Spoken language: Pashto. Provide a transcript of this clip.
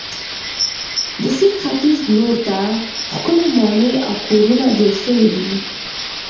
د سیند ختیځ لور ته ښکلې ماڼۍ او کورونه جوړ شوي دي.